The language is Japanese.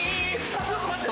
ちょっと待って。